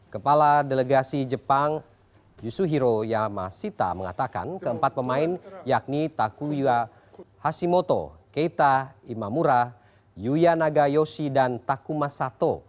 kepala delegasi jepang yusuhiro yamashita mengatakan keempat pemain yakni takuya hashimoto keita imamura yuya nagayoshi dan takuma sato